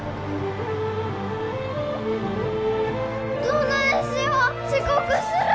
どないしよ遅刻する！